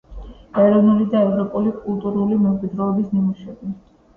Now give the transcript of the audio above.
ეროვნული და ევროპული კულტურული მემკვიდრეობის ნიმუშები.